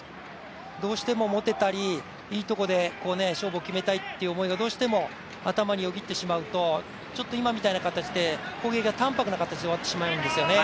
どうしても持てたり、いいところで勝負を決めたいという思いが、どうしても頭によぎってしまうと今みたいな形で攻撃が淡泊な形で終わってしまうんですよね。